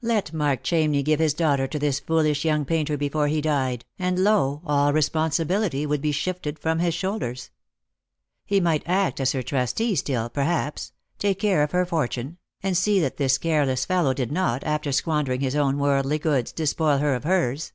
Let Mark Chamney give his daughter to this foolish young painter before he died, and, lo, all responsibility would be shifted from his shoulders. He might act as her trustee still, perhaps ; take care of her fortune ; and see that this careless fellow did not, after squandering his own worldly goods, despoil her of hers.